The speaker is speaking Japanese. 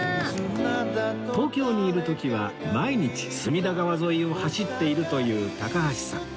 東京にいる時は毎日隅田川沿いを走っているという高橋さん